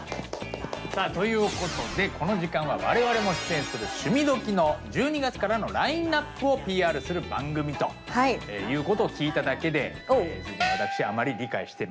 さあということでこの時間は我々も出演する「趣味どきっ！」の１２月からのラインナップをＰＲする番組ということを聞いただけであら！